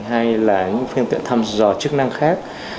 hay là những phương tiện thăm dò chức năng khác